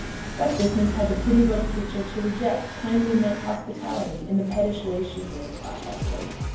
What business had the pretty little creature to reject kindly meant hospitality in the pettish way she did, thought Hester.